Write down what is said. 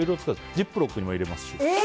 ジップロックにも入れますし。